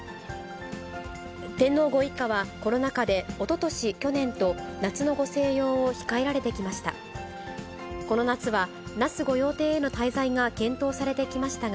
天皇ご一家は、コロナ禍でおととし、去年と、夏のご静養を控えられてきました。